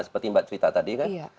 seperti mbak cerita tadi kan